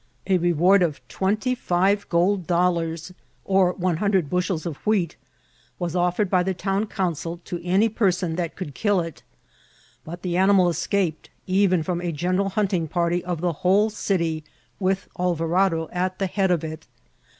A reward of twenty five t80 IKCIDIMTS OP TRATEL. gold dollars, or one hundred Innhels of wheat, was of fered by the town council to any person that conld kill it ; but the animal escaped, even firom a general hunt ing party of the whole city, with Alvarado at the head of it.